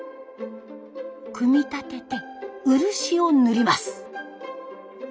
組み立てて漆を塗ります。